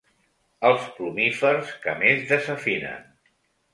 Els plumífers que més desafinen.